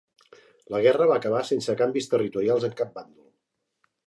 La guerra va acabar sense canvis territorials en cap bàndol.